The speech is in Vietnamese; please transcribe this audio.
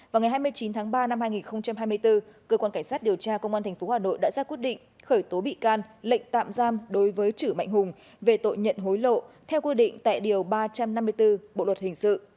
vào ngày hai mươi chín tháng ba năm hai nghìn hai mươi bốn cơ quan cảnh sát điều tra công an tp hà nội đã ra quyết định khởi tố bị can lệnh tạm giam đối với chử mạnh hùng về tội nhận hối lộ theo quy định tại điều ba trăm năm mươi bốn bộ luật hình sự